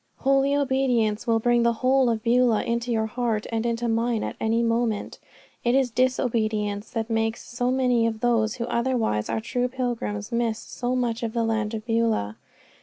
Holy obedience will bring the whole of Beulah into your heart and into mine at any moment. It is disobedience that makes so many of those who otherwise are true pilgrims to miss so much of the land of Beulah.